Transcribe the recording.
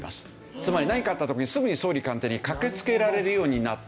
つまり何かあった時にすぐに総理官邸に駆けつけられるようになっている。